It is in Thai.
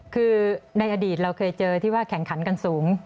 คือในอดีตเราเคยเจอที่ว่าแข่งขันกันสูง